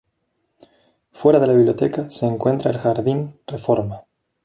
Fuera de la biblioteca se encuentra el Jardín Reforma.